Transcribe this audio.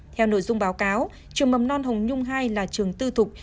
theo nội dung báo cáo trường mầm non hồng nhung hai là trường tư thục